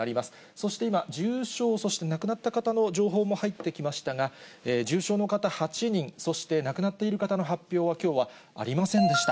そして今、重症、そして亡くなった方の情報も入ってきましたが、重症の方、８人、そして亡くなっている方の発表はきょうはありませんでした。